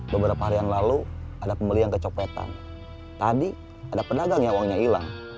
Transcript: beberapa harian lalu ada pembelian kecopetan tadi ada pedagang yang uangnya hilang